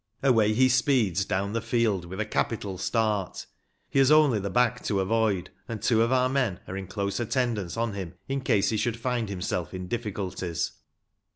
Away he speeds down the field with a capital start. He has only the back to avoid, and two of our men are in close attendance on him in case he should find himself in difficulties.